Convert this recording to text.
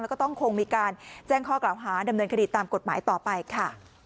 แล้วก็ต้องคงมีการแจ้งข้อกล่าวหาดำเนินคดีตามกฎหมายต่อไปค่ะ